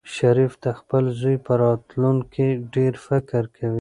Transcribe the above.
شریف د خپل زوی په راتلونکي ډېر فکر کوي.